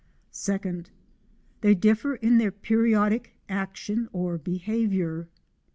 (2) They differ in their periodic action or behaviour.